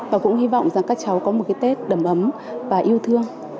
và cũng hy vọng rằng các cháu có một cái tết đầm ấm và yêu thương